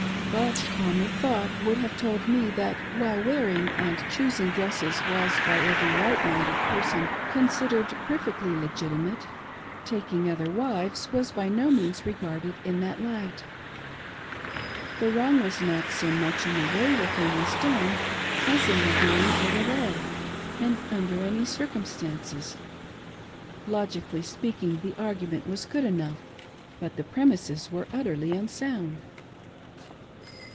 But calmer thought would have told me that while wearing and choosing dresses was by every right minded' person considered perfectly legitimate, taking other wives was by no means regarded in that light. The wrong was not so much in the way the thing was done' as in doing it at all and under any circumstances. Logically speaking, the argument was good enough, but the premises were utterly unsound.